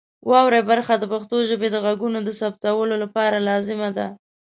واورئ برخه د پښتو ژبې د غږونو د ثبتولو لپاره لازمه ده.